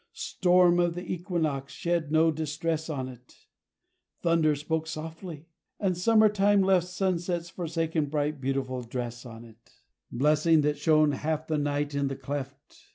Storm of the equinox shed no distress on it, Thunder spoke softly, and summer time left Sunset's forsaken bright beautiful dress on it Blessing that shone half the night in the cleft.